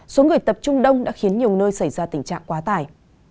số người tập trung đông đã khiến nhiều nơi xảy ra tình trạng quá tải